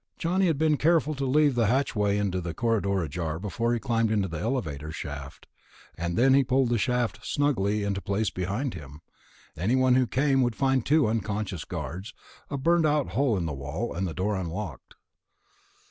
Johnny had been careful to leave the hatchway into the corridor ajar before he climbed into the ventilator shaft, and then he had pulled the shaft snugly into place behind him. Anyone who came would find two unconscious guards, a burnt out hole in the wall, and the door unlocked.